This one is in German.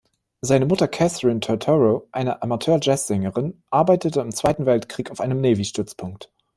Seine Mutter Katherine Turturro, eine Amateur-Jazzsängerin, arbeitete im Zweiten Weltkrieg auf einem Navy-Stützpunkt.